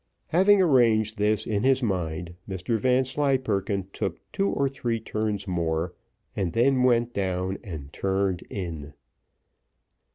Having arranged this in his mind, Mr Vanslyperken took two or three turns more, and then went down and turned in.